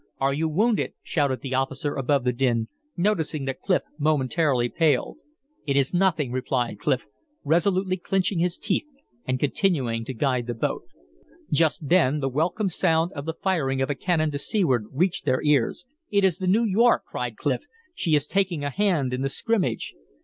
"Are you wounded?" shouted the officer above the din, noticing that Clif momentarily paled. "It is nothing," replied Clif, resolutely clinching his teeth and continuing to guide the boat. Just then the welcome sound of the firing of cannon to seaward reached their ears. "It is the New York!" cried Clif. "She is taking a hand in the scrimmage!"